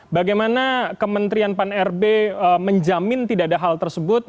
bagaimana kementerian pan rb menjamin tidak ada hal tersebut